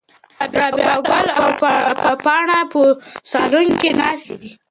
رابعه ګل او پاڼه په صالون کې ناستې دي.